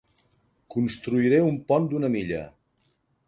Construiré un pont d'una milla.